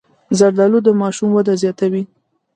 زردالو د ماشوم وده زیاتوي.